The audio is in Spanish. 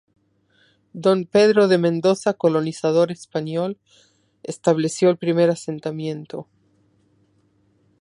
Don Pedro de Mendoza, colonizador español, estableció el primer asentamiento.